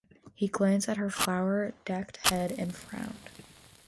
He glanced at her flower-decked head and frowned.